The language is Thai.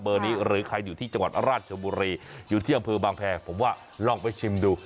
นี้หรือใครอยู่ที่จังหวัดราชบุรีอยู่ที่อำเภอบางแพรผมว่าลองไปชิมดู